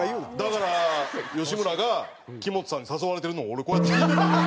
だから吉村が木本さんに誘われてるのを俺こうやって聞いてたんかも。